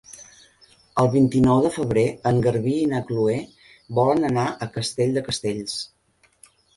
El vint-i-nou de febrer en Garbí i na Chloé volen anar a Castell de Castells.